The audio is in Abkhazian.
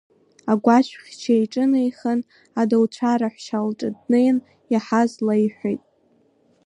Агәашәхьча иҿынеихан, адауцәа раҳәшьа лҿы днеин, иаҳаз леиҳәеит.